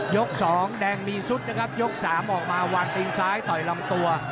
๒แดงมีซุดนะครับยก๓ออกมาวางตีนซ้ายต่อยลำตัว